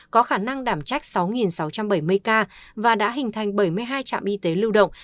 có khả năng đảm trách sáu sáu trăm bảy mươi ca và đã hình thành bảy mươi hai trạm y tế lưu động